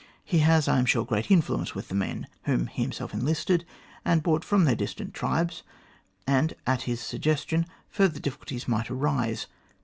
He has, I am sure, great influence with the men, whom he himself enlisted and brought from their distant tribes, and at his suggestion, further difficulties might arise.